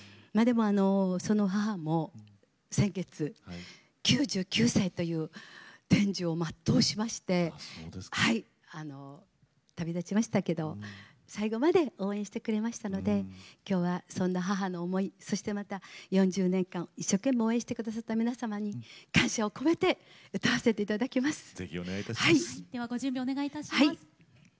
でも、その母も先月９９歳という天寿を全うしまして旅立ちましたけれど最後まで応援してくれましたのできょうは、そんな母の思いまた４０年間、一生懸命応援してくださった皆様に感謝を込めて歌わせていただきます。